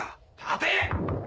立て！